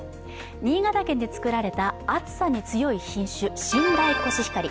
新潟県で作られた暑さに強い品種、新大コシヒカリ。